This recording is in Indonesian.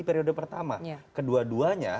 periode pertama kedua duanya